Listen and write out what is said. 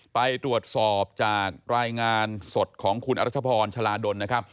ไปตรวจสอบจากรายงานสดของคุณอรัชพรชลาดลนะครับ